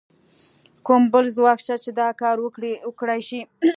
کوم بل ځواک شته چې دا کار وکړای شي؟